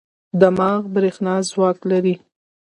دماغ برېښنا ځواک لري.